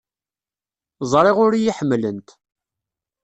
Ẓriɣ ur iyi-ḥemmlent.